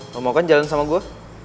lo mau kan jalan sama gue